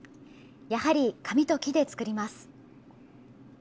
やはり、紙と木で作ります。